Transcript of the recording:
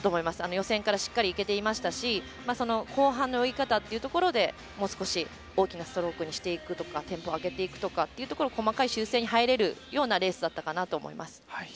予選から、しっかりいけてましたし後半の追い方っていうところでもう少し大きなストロークにしていくとかテンポを上げていくとか細かい修正に入れるようなレースだったかなと思います。